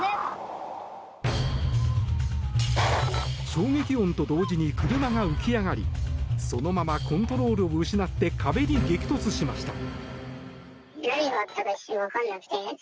衝撃音と同時に車が浮き上がりそのままコントロールを失って壁に激突しました。